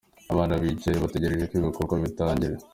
Abana bicaye bategereje ko ibikorwa bitangira.